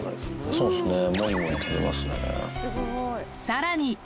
そうっすね、さらに。